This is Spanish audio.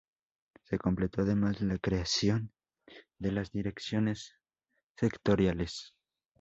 Se completó además la creación de las Direcciones Sectoriales.